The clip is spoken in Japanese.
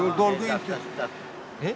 えっ？